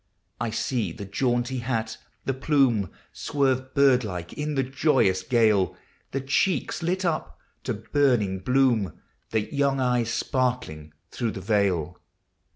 I see the jaunty hat, the plume Swerve bird like in the joyous gale, — The cheeks lit up to burning bloom, The young eyes sparkling through the veil.